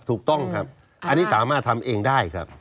ถูกต้องครับอันนี้สามารถทำเองได้ครับ